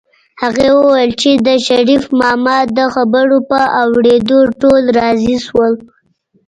هغې وویل چې د شريف ماما د خبرو په اورېدو ټول راضي شول